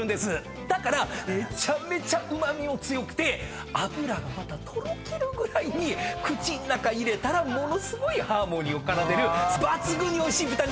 だからめちゃめちゃうま味も強くて脂がまたとろけるぐらいに口ん中入れたらものすごいハーモニーを奏でる抜群においしい豚肉です！